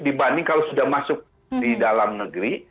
dibanding kalau sudah masuk di dalam negeri